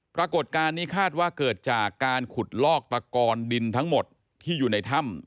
ปรากฏการณ์นี้คาดว่าเกิดจากการขุดลอกตะกอนดินทั้งหมดที่อยู่ในถ้ำ